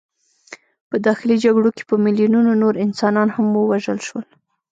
په داخلي جګړو کې په میلیونونو نور انسانان هم ووژل شول.